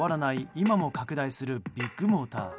今も拡大するビッグモーター。